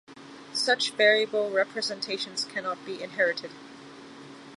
Such variable representations cannot be inherited.